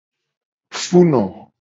Funo.